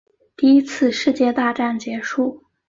第一次世界大战结束